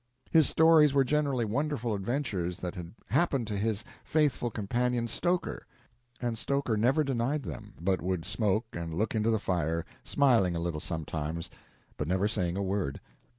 His stories were generally wonderful adventures that had happened to his faithful companion, Stoker; and Stoker never denied them, but would smoke and look into the fire, smiling a little sometimes, but never saying a word.